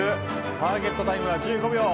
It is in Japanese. ターゲットタイムは１５秒。